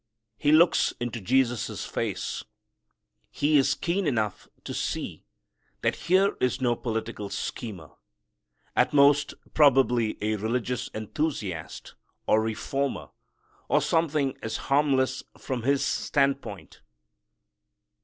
He looks into Jesus' face. He is keen enough to see that here is no political schemer. At most probably a religious enthusiast, or reformer, or something as harmless from his standpoint.